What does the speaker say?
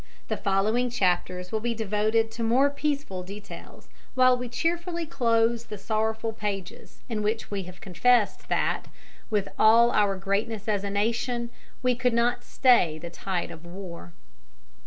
The following chapters will be devoted to more peaceful details, while we cheerfully close the sorrowful pages in which we have confessed that, with all our greatness as a nation, we could not stay the tide of war.